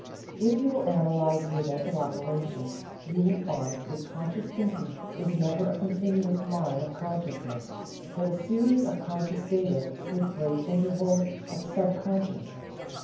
If you will analyze your mental operations you will find that conscious thinking is never a continuous line of consciousness, but a series of conscious data with great intervals of subconscious.